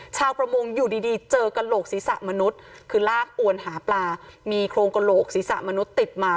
ชาวประมงอยู่ดีเจอกระโหลกศีรษะมนุษย์คือลากอวนหาปลามีโครงกระโหลกศีรษะมนุษย์ติดมา